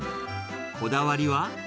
こだわりは。